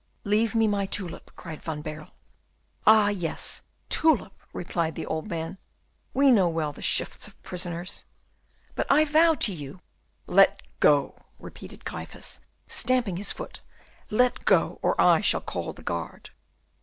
"Leave me my tulip," cried Van Baerle. "Ah, yes, tulip," replied the old man, "we know well the shifts of prisoners." "But I vow to you " "Let go," repeated Gryphus, stamping his foot, "let go, or I shall call the guard."